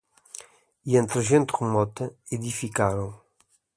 E entre gente remota edificaram